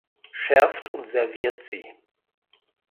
Schärft und serviert sie.